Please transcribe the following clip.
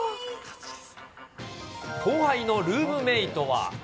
後輩のルームメートは。